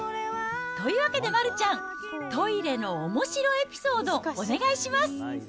というわけで丸ちゃん、トイレのおもしろエピソードお願いします。